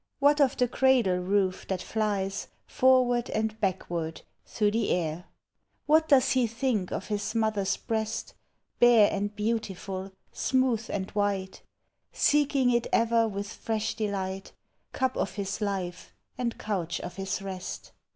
What of the cradle roof, that tlies Forward and backward through the air? What does he thiuk of his mother's breast — Bare and beautiful, smooth and white, Seeking it ever with fresh delight— Tup of his life, and couch of his rest?